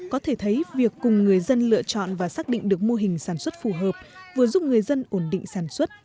có thể thấy việc cùng người dân lựa chọn và xác định được mô hình sản xuất phù hợp vừa giúp người dân ổn định sản xuất